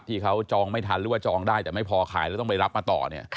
ที่เขาจองไม่ทันหรือว่าจองได้แต่ไม่พอขายแล้วต้องไปรับมาต่อเนี่ย